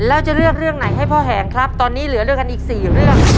แล้วจะเลือกเรื่องไหนให้พ่อแหงครับตอนนี้เหลือด้วยกันอีก๔เรื่อง